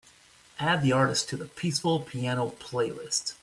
Add the artist to the peaceful piano playlist.